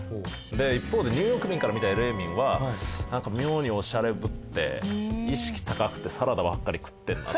一方でニューヨーク民から見たＬＡ民はなんか妙にオシャレぶって意識高くてサラダばかり食ってるな。